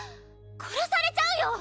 殺されちゃうよ！